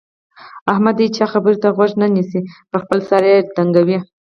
احمد د هيچا خبرې ته غوږ نه نيسي؛ پر خپل سر يې ډنګوي.